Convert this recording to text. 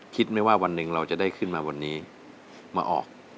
คิดไหมว่าวันหนึ่งเราจะได้ขึ้นมาวันนี้มาออก